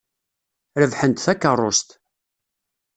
Rebḥen-d takeṛṛust.